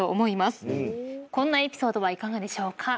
こんなエピソードはいかがでしょうか？